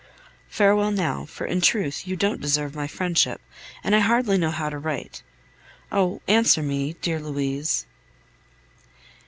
Farewell now, for in truth you don't deserve my friendship, and I hardly know how to write. Oh! answer me, dear Louise.